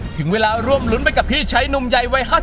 ถึงเวลาร่วมลุ้นกับพี่ฉัยนุ่มใหญ่วัย